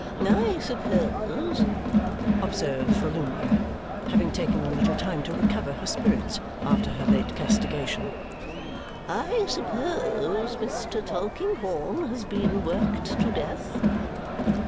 "I suppose," observes Volumnia, having taken a little time to recover her spirits after her late castigation, "I suppose Mr. Tulkinghorn has been worked to death."